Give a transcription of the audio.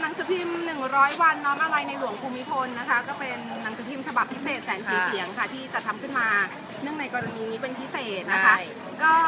หนังสือพิมพ์๑๐๐วันน้อมอะไรในหลวงภูมิพลนะคะก็เป็นหนังสือพิมพ์ฉบับพิเศษแสนสี่เสียงค่ะที่จัดทำขึ้นมาเนื่องในกรณีนี้เป็นพิเศษนะคะ